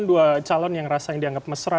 dua calon yang rasanya dianggap mesra